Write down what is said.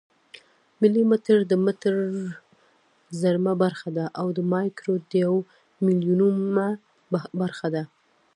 ملي متر د متر زرمه برخه ده او مایکرو د یو میلیونمه برخه ده.